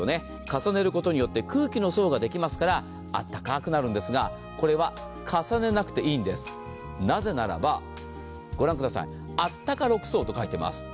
重ねることによって空気の層ができますからあったかくなるんですがこれは重ねなくていいんです、なぜならば、ご覧ください、あったか６層と書いています。